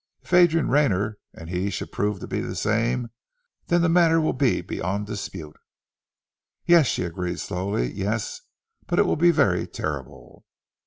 If Adrian Rayner and he should prove to be the same, then the matter will be beyond dispute." "Yes," she agreed slowly. "Yes. But it will be very terrible."